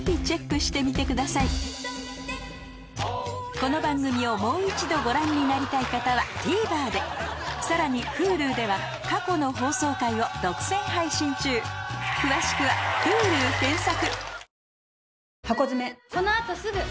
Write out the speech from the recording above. この番組をもう一度ご覧になりたい方はＴＶｅｒでさらにＨｕｌｕでは過去の放送回を独占配信中詳しくは「Ｈｕｌｕ」検索